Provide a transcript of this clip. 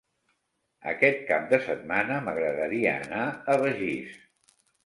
Aquest cap de setmana m'agradaria anar a Begís.